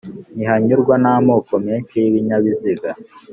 Ntihanyurwa n'amoko menshi y'ibinyabiziga